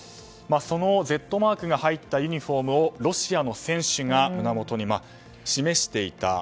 そのＺマークが入ったユニホームをロシアの選手が胸元に示していた。